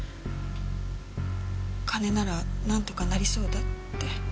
金ならなんとかなりそうだって。